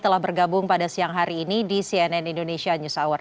telah bergabung pada siang hari ini di cnn indonesia news hour